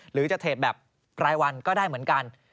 หรือจะเทรดแบบรายวันก็ได้เหมือนกัน